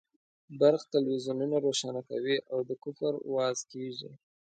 برق تلویزیونونه روښانه کوي او د کفر وعظ کېږي.